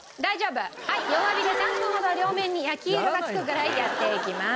はい弱火で３分ほど両面に焼き色が付くぐらいやっていきます。